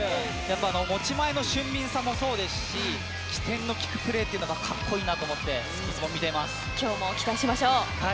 持ち前の俊敏さもそうですし機転の利くプレーが格好いいと今日も期待しましょう。